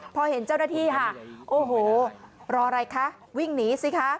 พอเห็นเจ้าหน้าที่ค่ะโอ้โหรออะไรคะวิ่งหนีสิคะ